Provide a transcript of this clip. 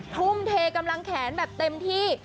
ทุ่มเทกำลังแขนแบบเต็มที่